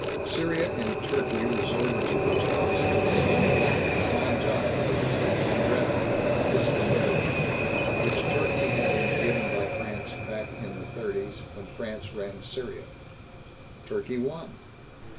Syria and Turkey resorted to the toss to decide about the Sanjak of Alexandretta (Iskanderun) which Turkey had been given by France back in the Thirties, when France ran Syria. Turkey won.